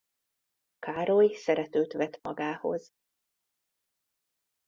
Károly szeretőt vett magához.